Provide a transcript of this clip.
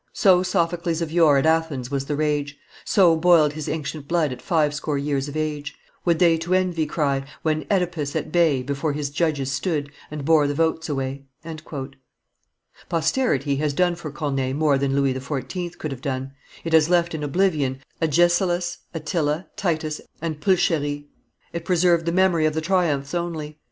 'So Sophocles of yore at Athens was the rage, So boiled his ancient blood at five score years of age,' Would they to Envy cry, 'when OEdipus at bay Before his judges stood, and bore the votes away.'" Posterity has done for Corneille more than Louis XIV. could have done: it has left in oblivion Agesilas, Attila, Titus, and Pulcherie; it preserved the memory of the triumphs only.